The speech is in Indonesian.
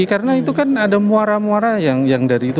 karena itu kan ada muara muara yang dari itu